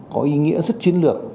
có ý nghĩa rất chiến lược